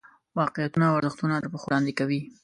واقعیتونه او ارزښتونه تر پښو لاندې کوي.